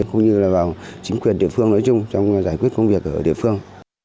cũng như là vào chính quyền địa phương nói chung trong giải quyết công việc ở địa phương